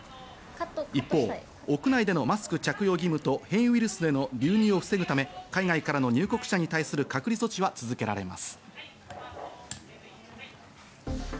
一方、屋内でのマスク着用義務と変異ウイルスの流入を防ぐため海外からの入国者に対する隔離措置は続けられます。